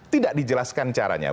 tidak dijelaskan caranya